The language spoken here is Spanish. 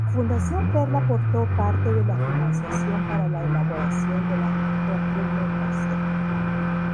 La Fundación Perl aportó parte de la financiación para la elaboración de la documentación.